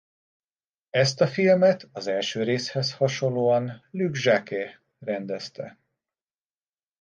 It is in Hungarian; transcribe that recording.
Ezt a filmet az első részhez hasonlóan Luc Jacquet rendezte.